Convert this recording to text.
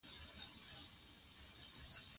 هغه غلې وویل: